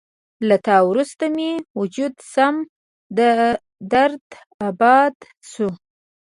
له تا وروسته مې وجود سم درداباد شو